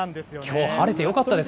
きょう、晴れてよかったですね。